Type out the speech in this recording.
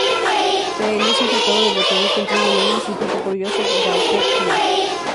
Pl., es un tratado de botánica en tres volúmenes, escrito por Joseph Gaertner.